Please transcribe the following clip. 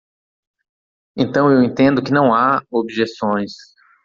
Então eu entendo que não há objeções.